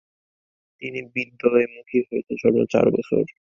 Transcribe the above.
তিনি বিদ্যালয়মুখী হয়েছেন সর্বমোট চার বছর।